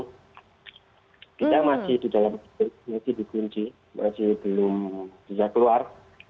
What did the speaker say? kita masih di dalam gedung masih di kunci masih belum bisa keluar